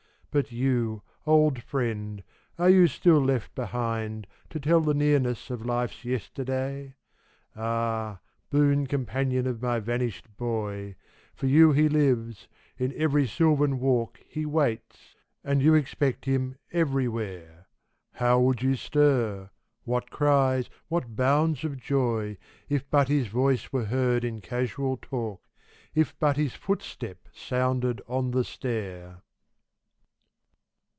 But you old friend, are you still left behind To tell the nearness of life's yesterday ? THE FALLEN 379 Ah, boon companion of my vanished boy, For you he lives ; in every sylvan walk He waits ; and you expect him everywhere. How would you stir, what cries, what bounds of joy, If but his voice were heard in casual talk, If but his footstep sounded on the stair